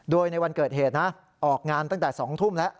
โดยในวันเกิดเหตุนะออกงานตั้งแต่๒ทุ่มแล้ว